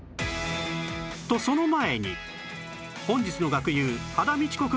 とその前に本日の